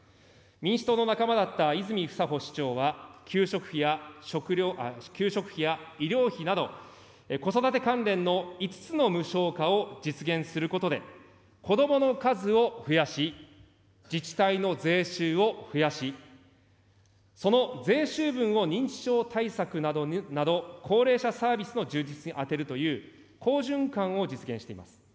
民主党の仲間だった泉房穂市長は給食費や医療費など、子育て関連の５つの無償化を実現することで、子どもの数を増やし、自治体の税収を増やし、その税収分を認知症対策など高齢者サービスの充実に充てるという、好循環を実現しています。